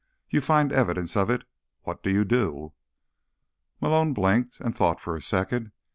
You find evidence of it. What do you do?" Malone blinked and thought for a second.